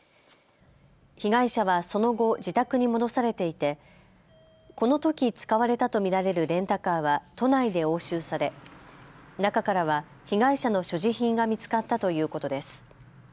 被害者はその後、自宅に戻されていてこのとき使われたと見られるレンタカーは都内で押収され中からは被害者の所持品が見つかったということです。